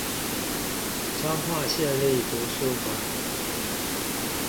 彰化縣立圖書館